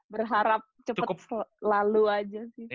berharap cepet lalu aja sih